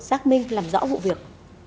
xác minh làm rõ vụ việc